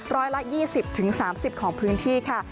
ร้อยละ๒๐๓๐ของพื้นที่ค่ะ